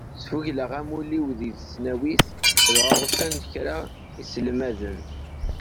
Sfugleɣ amulli-w deg tesnawit, dɣa usan-d kra iselmaden.